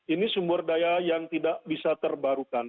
ini sumber daya yang tidak bisa terbarukan